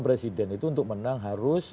presiden itu untuk menang harus